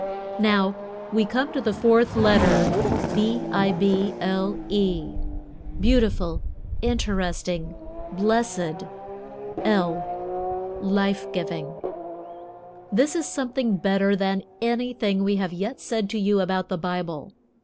Now, we come to the fourth letter, B I B L E. Beautiful, Interesting, Blessed, L, Life giving. This is something better than anything we have yet said to you about the Bible.